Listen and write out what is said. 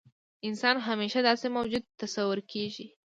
انسان همیشه داسې موجود تصور کېږي.